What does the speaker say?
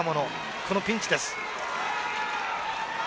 このピンチです。